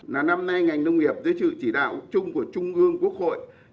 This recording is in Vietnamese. năm nay ngành nông nghiệp dưới trực chỉ đạo chung của trung ương quốc hội